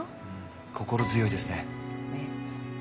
心強いですねええ